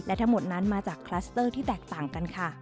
และทั้งหมดนั้นมาจากคลัสเตอร์ที่แตกต่างกันค่ะ